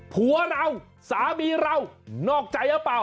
ผัวเราสามีเรานอกใจหรือเปล่า